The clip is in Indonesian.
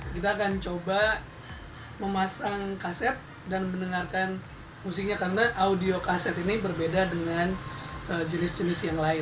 kita akan coba memasang kaset dan mendengarkan musiknya karena audio kaset ini berbeda dengan jenis jenis yang lain